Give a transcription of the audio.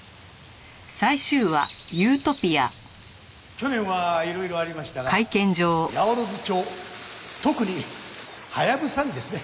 去年はいろいろありましたが八百万町特にハヤブサにですね